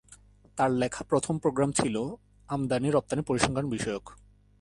তার লেখা প্রথম প্রোগ্রাম ছিলো আমদানি-রপ্তানির পরিসংখ্যান বিষয়ক।